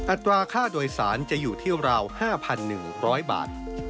อัตราค่าโดยสารจะอยู่ที่ราว๕๑๐๐บาท